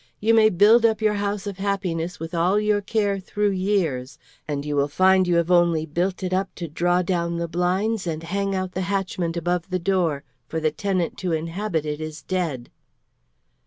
You may build up your house of happiness with all your care through years, and you will find you have only built it up to draw down the blinds and hang out the hatchment above the door, for the tenant to inhabit it is dead."